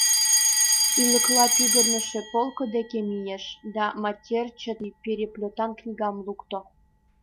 Ӱлыкыла пӱгырнышӧ полко деке мийыш да матерчатый переплетан книгам лукто.